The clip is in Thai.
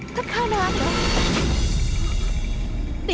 ฮะท่านข้านานหรือ